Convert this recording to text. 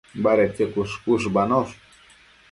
Badedquio cuësh-cuëshbanosh